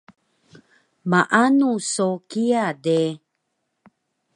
Maanu so kiya de